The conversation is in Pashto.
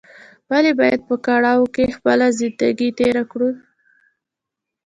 ولې باید په کړاوو کې خپله زندګي تېره کړې